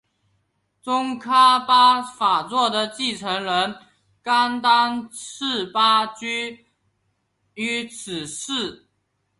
宗喀巴法座的继承人甘丹赤巴即居于此寺。